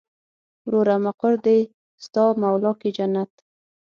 وروره مقر دې ستا مولا کې جنت.